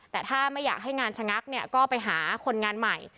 แต่ถ้าไม่อยากให้งานชะงักเนี่ยก็ไปหาคนงานใหม่